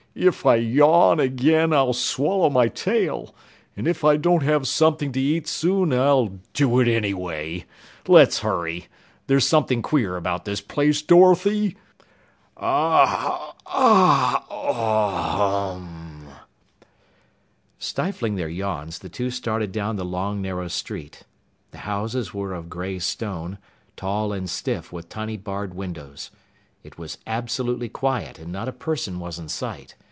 "If I yawn again, I'll swallow my tail, and if I don't have something to eat soon, I'll do it anyway. Let's hurry! There's something queer about this place, Dorothy! Ah, hah, hoh, hum mm!" Stifling their yawns, the two started down the long, narrow street. The houses were of gray stone, tall and stiff with tiny barred windows. It was absolutely quiet, and not a person was in sight.